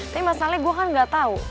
tapi masalahnya gue kan gak tahu